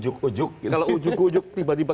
kalau ujuk ujuk tiba tiba